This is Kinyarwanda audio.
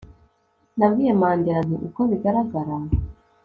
nabwiye Mandela nti uko bigaragara